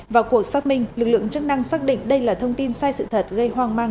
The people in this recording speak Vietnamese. vào cuộc xác minh lực lượng chức năng xác định đây là thông tin sai sự thật gây hoang mang